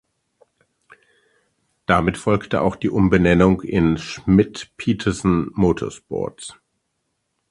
Damit folgte auch die Umbenennung in "Schmidt Peterson Motorsports".